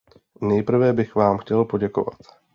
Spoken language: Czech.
Nejprve bych vám chtěl poděkovat.